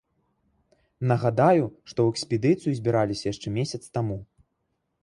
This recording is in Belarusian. Нагадаю, што ў экспедыцыю збіраліся яшчэ месяц таму.